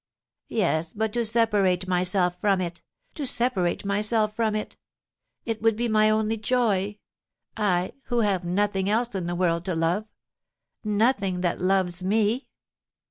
"Yes, but to separate myself from it, to separate myself from it! It would be my only joy, I, who have nothing else in the world to love, nothing that loves me!"